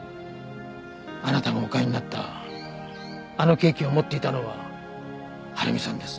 あなたがお買いになったあのケーキを持っていたのは晴美さんです。